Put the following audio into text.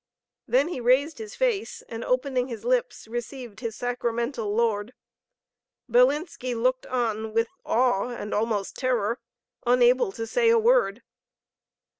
Then he raised his face, and opening his lips received his sacramental Lord. Bilinski looked on with awe and almost terror, unable to say a word.